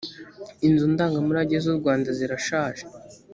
inzu ndangamurage z ‘u rwanda zirashaje`